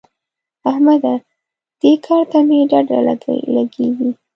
احمده! دې کار ته مې ډډه لګېږي.